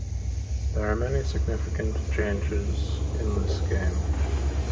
There are many significant changes in this game.